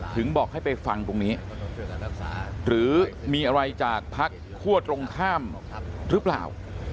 บอกให้ไปฟังตรงนี้หรือมีอะไรจากพักคั่วตรงข้ามหรือเปล่า